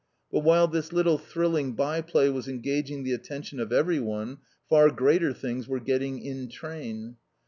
But while this little thrilling byplay was engaging the attention of everyone far greater things were getting in train.